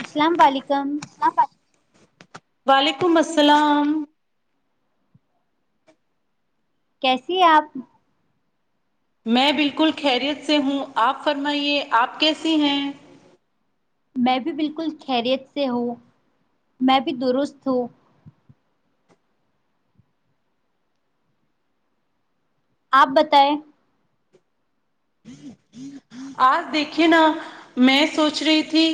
السلام و علیکم وعلیکم السلام کیسی ہے آپ میں بالکل خیریت سے ہوں آپ فرمائیے آپ کیسی ہیں میں بھی بالکل خیریت سے ہوں میں بھی درست ہوں آپ بتائیں ہ ہ آج دیکھیے نا میں سوچ رہی تھی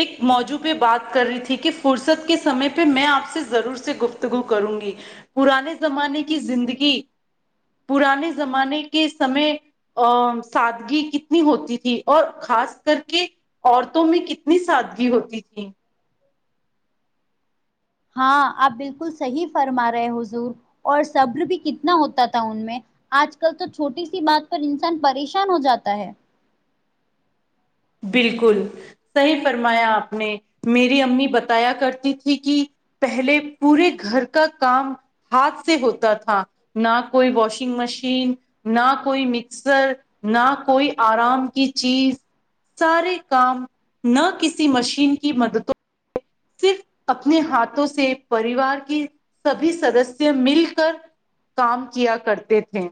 ایک موضوع پہ بات کر رہی تھی کہ فرصت کے سمے پہ میں آپ سے ضرور سے گفتگو کروں گی پرانے زمانے کی زندگی پرانے زمانے کے سمے ا سادگی کی کتنی ہوتی تھی اور خاص کر کے عورتوں میں کتنی سادگی ہوتی تھی ہاں آپ بالکل صحیح فرما رہے حضور اور صبر بھی کتنا ہوتا تھا ان میں آج کل تو چھوٹی سی بات پر انسان پریشان ہو جاتا ہے بالکل صحیح فرمایا آپ نے میری امی بتایا کرتی تھی کہ پہلے پورے گھر کا کام ہاتھ سے ہوتا تھا نہ کوئی واشنگ مشین نہ کوئی مکسر نہ کوئی آرام کی چیز سارے کام نہ کسی مشین کی مددوں صرف اپنے ہاتھوں سے پریوار کی سبھی سدسیہ مل کر کام کیا کرتے تھے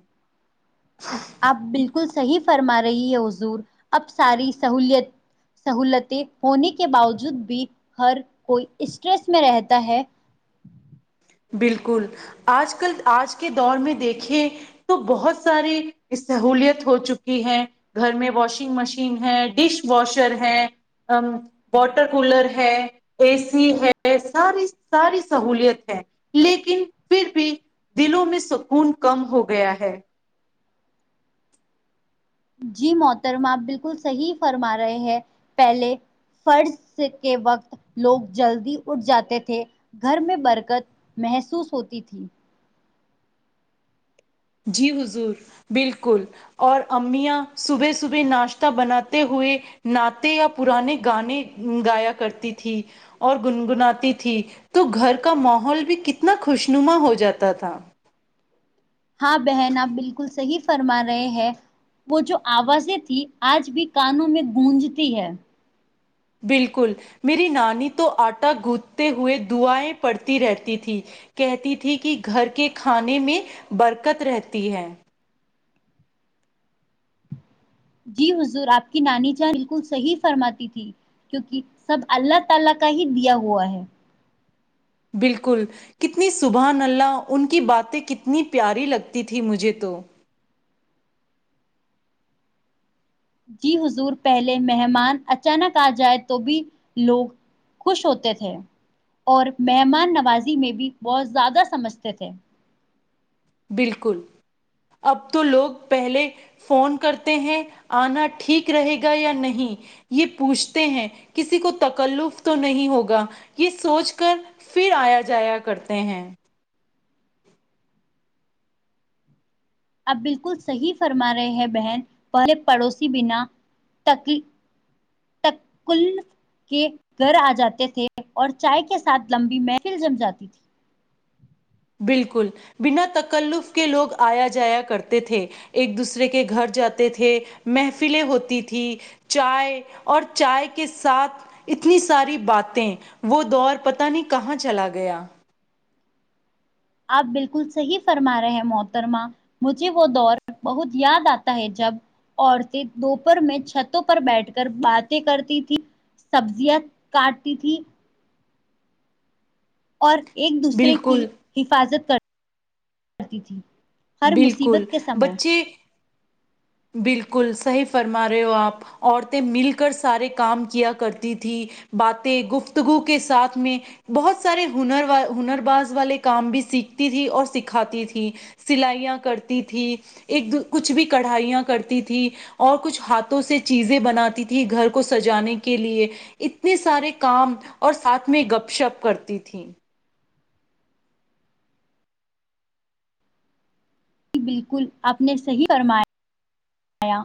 س آپ بالکل صحیح فرما رہی ہے حضور اب ساری سہولت سہولتیں ہونے کے باوجود بھی ہر کوئی اسٹریس میں رہتا ہے بالکل آج کل آج کے دور میں دیکھیں تو بہت ساری سہلیت ہو چکی ہے گھر میں واشنگ مشین ہے ڈش واشر ہے واٹر کولر ہے اے سی ہے ساری ساری سہولیت ہے لیکن پھر بھی دلوں میں سکون کم ہو گیا ہے جی محترم آپ بالکل صحیح فرما رہے ہیں پہلے فرض کے وقت لوگ جلدی اٹھ جاتے تھے گھر میں برکت محسوس ہوتی تھی جی حضور بالکل اور امیا صبح صبح ناشتہ بناتے ہوئے نااتے یا پرانے گانے گایا کرتی تھی اور گنگناتی تھی تو گھر کا ماحول بھی کتنا خوشنما ہو جاتا تھا ہاں بہن آپ بالکل صحیح فرما رہے ہیں وہ جو آوازیں تھی آج بھی کانوں میں گونجتی ہے بالکل میری نانی تو آٹا گوندتے ہوئے دعایں پڑتی رہتی تھی کہتی تھی کہ گھر کے کھانے میں برکت رہتی ہے جی حضور آپ کی نانی جاں بالکل صحیح فرماتی تھی کیوںکہ سب اللہ تعالی کا ہی دیا ہوا ہے بالکل کتنی سبح ناللہ ان کی باتیں کتنی پیاری لگتی تھی مجھے تو جی حضور پہلے مہمان اچانک آ جائے تو بھی لوگ خوش ہوتے تھے اور مہمان نوازی میں بھی بہت زیادہ سمجھتے تھے بالکل اب تو لوگ پہلے فون کرتے ہیں آنا ٹھیک رہے گا یا نہیں یہ پوچھتے ہیں کسی کو تکلف تو نہیں ہوگا یہ سوچ کر پھر آیا جایا کرتے ہیں اب بالکل صحیح فرما رہے ہیں بہن پہلے پڑوسی بنا تکلیف [unintelligible] کے گھر آ جاتے تھے اور چائے کے ساتھ لمبی محفل جم جاتی تھی بالکل بنا تکلف کے لوگ آیا جایا کرتے تھے ایک دوسرے کے گھر جاتے تھے محفلیں ہوتی تھی چائے اور چائے کے ساتھ اتنی ساری باتیں وہ دور پتا نہیں کہاں چلا گیا آپ بالکل صحیح فرما رہے ہیں محترما مجھے وہ دور بہت یاد آتا ہے جب عورتیں دوپہر میں چھتوں پر بیٹھ کر باتیں کرتی تھیں سبزیاں کاٹتی تھیں اور ایک دوسرے کی بالکل حفاظت کر کر ہر بالکل مصیبت کے سمے بچے بالکل صحیح فرما رہے ہو آپ عورتیں مل کر سارے کام کیا کرتی تھی باتیں گفتگو کے ساتھ میں بہت سارے ہنر ہنر باز والے کام بھی سیکھتی تھی اور سکھاتی تھی سلائیاں کرتی تھی ایک کچھ بھی کڑھائیاں کرتی تھی اور کچھ ہاتھوں سے چیزیں بناتی تھی گھر کو سجانے کے لیے اتنے سارے کام اور ساتھ میں گپ شپ کرتی تھیں بالکل آپ نے صحیح فرمایا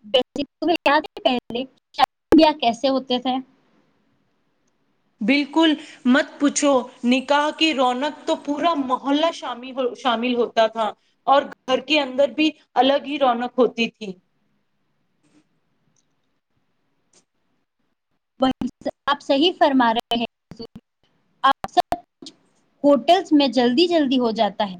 [unintelligible] بالکل مت پوچھو نکاح کی رونق تو پورا محلہ شامل ہو شامل ہوتا تھا اور گھر کے اندر بھی الگ ہی رونق ہوتی تھی آپ صحیح فرما رہے ہیں آپ سب کچھ ہوٹلس میں جلدی جلدی ہو جاتا ہے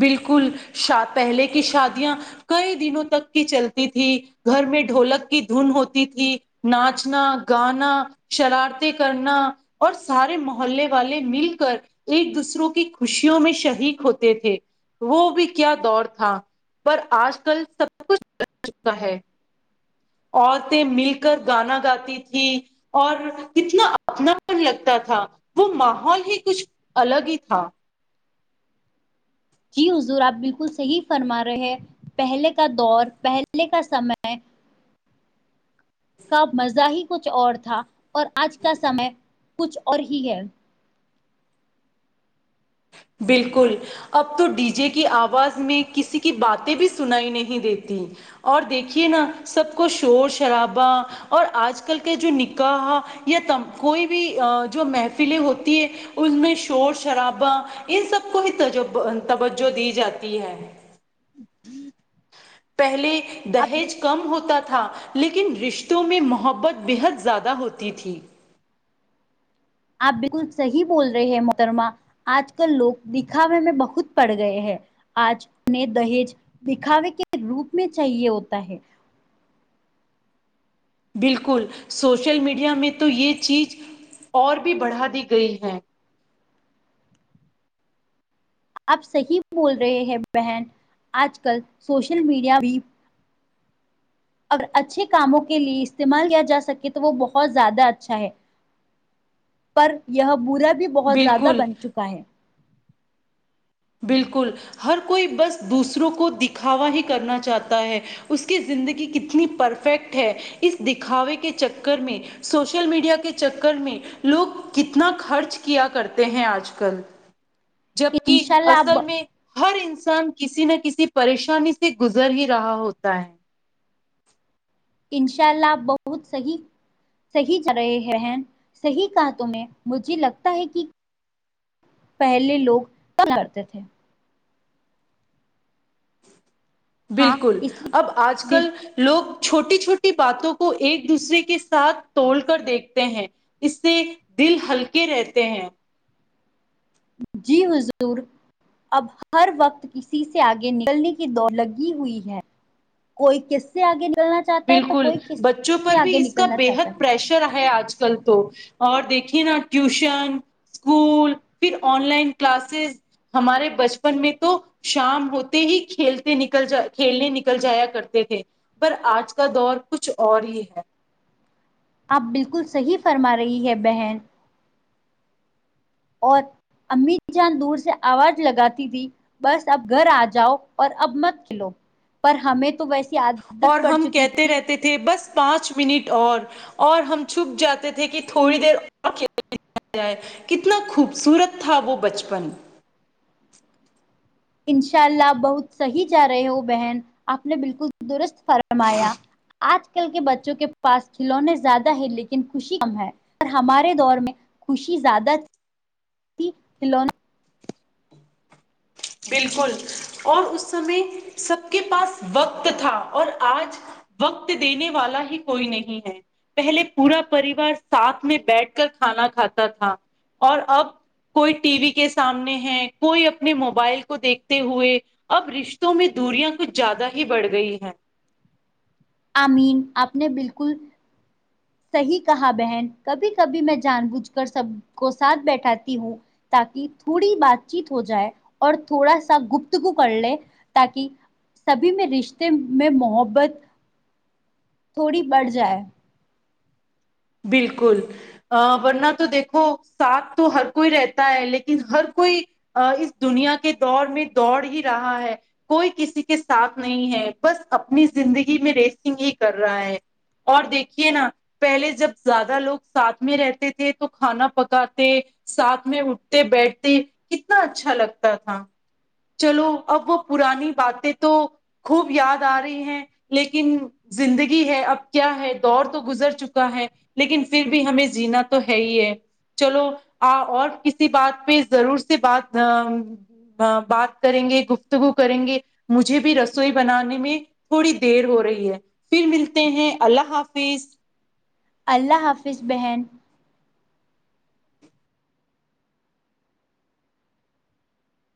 بالکل شا پہلے کی شادیاں کئی دنوں تک کی چلتی تھی گھر میں ڈھولک کی دھن ہوتی تھی ناچنا گانا شرارتیں کرنا اور سارے محلے والے مل کر ایک دوسروں کی خوشیوں میں شریک ہوتے تھے وہ بھی کیا دور تھا پر آج کل سب کچھ ب چکا ہے عورتیں مل کر گانا گاتی تھھی اور کتنا اپنا پن لگتا تھا وہ ماحول ہی کچھ الگ ہی تھا جی حضور آپ بالکل صحیح فرما رہے ہیں پہلے کا دور پہلے کا سمے کا مزہ ہی کچھ اور تھا اور آج کا سمے کچھ اور ہی ہے بالکل اب تو ڈی جے کی آواز میں کسی کی باتیں بھی سنائی نہیں دیتی اور دیکھیے نا سب کو شور شرابہ اور آج کل کے جو نکاح یا کوئی بھی جو محفلیں ہوتی ہے ان میں شور شرابا ان سب کو ہی توجہ دی جاتی ہے پہلے اب دہیج کم ہوتا تھا تھا لیکن رشتوں میں محبت بےحد زیادہ ہوتی تھی آپ بالکل صحیح بول رہے ہیں محترما آج کل لوگ دکھاوے میں بہت پڑ گئے ہیں آج نے دہیج دکھاوے کے روپ میں چاہیے ہوتا ہے بالکل سوشل میڈیا میں تو یہ چیز اور بھی بڑھا دی گئی ہے آپ صحیح بول رہے ہیں بہن آج کل سوشل میڈیا بھی [unintelligible] اگر اچھے کاموں کے لیے استعمال کیا جا سکے تو وہ بہت زیادہ اچھا ہے پر یہ برا بھی بہت زیادہ بالکل بن چکا ہے بالکل ہر کوئی بس دوسروں کو دکھاوا ہی کرنا چاہتا ہے اس کی زندگی کتنی پرفیکٹ ہے اس دکھاوے کے چکر میں سوشل میڈیا کے چکر میں لوگ کتنا خرچ کیا کرتے ہیں آج کل جبک انشاء اللہ اصل آپ ہر انسان کسی نہ کسی پریشانی سے گزر ہی رہا ہوتا ہے انشاء اللہ آپ بہت صحیح صحی کر رہے ہیں صحیح کہ تہ مجھے لگتا ہے کہ پہلے لوگ کرتے تھے ہاں بالکل اس اب آج لیے کل لوگ چھوٹی چھوٹی باتوں کو ایک دوسرے کے ساتھ توڑ کر دیکھتے ہیں اس سے دل ہلکے رہتے ہیں جی حضور اب ہر وقت کسی سے آگے نکلنے کی دوڑ لگی ہوئی ہے کوئی کسے آگے نہیں بالکل بچوں پر بھی اس کا نکلنا چاہتا ہے بےحد پریشر ہے آج کل تو اور دیکھیے نا ٹیوشن اسکول پھر آن لائن کلاسز ہمارے بچپن میں تو شام ہوتے ہی کھیلتے نکل جا کھیلنے نکل جایا کرتے تھے پر آج ک کا دور کچھ اور ہی ہے آپ بالکل صحیح فرما رہی ہے بہن اور امی جان دور سے آواز لگاتی تھی بس اب گھر آ جاؤ اور اب مت کھلو پر ہمیں تو ویسے عدت اور پڑ ہم چکی کہتے تھی رہتے تھے بس پانچ منٹ اور اور ہم چھپ جاتے تھے کہ تھوڑی دیر اورھی جائے کتنا خوبصورت تھا وہ بچپن انشاء اللہ آپ بہت صحیح چاہ رہے ہو بہن آپ نے بالکل درست فرم آج آج کل کے بچوں کے پاس کھلونے زیادہ ہے لیکن خوشی کم ہے اور ہمارے دور میں خوشی زیادہ تھی تھی کلونا بالکل اور اس سمے سب کے پاس وقت تھا اور آج وقت دینے والا ہی کوئی نہیں ہے پہلے پورا پریوار ساتھ میں بیٹھ کر کھانا کھاتا تھا اور اب کوئی ٹی وی کے سامنے ہے کوئی اپنے مو موبائل کو دیکھتے ہوئے اب رشتوں میں دوریاں کچھ زیادہ ہی بڑھ گئی ہے امین آپ نے بالکل صحیح کہا بہن کبھی کبھی میں جان بوجھ کر سب کو ساتھ بیٹھاتی ہوں تاکہ تھوڑی بات چیت ہو جائے اور تھوڑا سا گفتگو کر لے تاکہ سبھی میں رشتے میں محبت تھوڑی بڑھ جائے بالکل ورنہ تو دیکھو ساتھ تو ہر کوئی رہتا ہے لیکن ہر کوئی اس دنیا کے دور میں دوڑ ہی رہا ہے کوئی کسی کے ساتھ نہیں ہے بس اپنی زندگی میں ریسنگ ہی کر رہا ہے اور دیکھیے نا پہلے جب زیادہ لوگ ساتھ میں رہتے تھے تو کھانا پکاتے ساتھ میں اٹھتے بیٹھتے کتنا اچھا لگتا تھا چلو اب وہ پرانی باتیں تو خوب یاد آ رہی ہیں لیکن زندگی ہے اب کیا ہے دور تو گزر چکا ہے لیکن پھر بھی ہمیں جینا تو ہے ہی ہے چلو اور کسی بات پہ ضرور سے بات بات کریں گے گفتگو کریں گے مجھے بھی رسوئی بنانے میں تھوڑی دیر ہو رہی ہے پھر ملتے ہیں اللہ حافظ اللہ حافظ بہن